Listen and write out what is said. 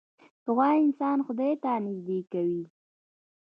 دعا انسان خدای ته نژدې کوي .